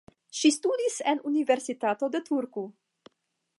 Ŝi ŝtudis en Universitato de Turku.